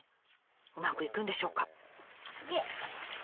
うまくいくんでしょうか？